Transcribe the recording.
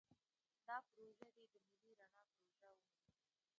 دا پروژه دې د ملي رڼا پروژه ومنو.